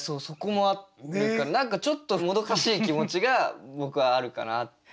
そこもあるというか何かちょっともどかしい気持ちが僕はあるかな。